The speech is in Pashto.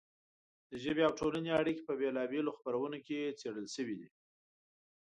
د ژبې او ټولنې اړیکې په بېلا بېلو خپرونو کې څېړل شوې دي.